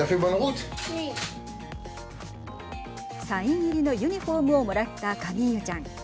サイン入りのユニフォームをもらったカミーユちゃん。